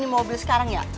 mobil sekarang ya